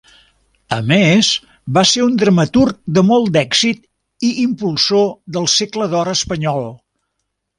A més, va ser un dramaturg de molt d'èxit i impulsor del segle d'or espanyol.